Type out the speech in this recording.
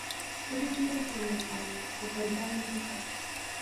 سړي ډیر ولټاوه خو پیدا یې نه کړ.